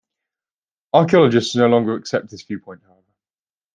Archaeologists no longer accept this viewpoint, however.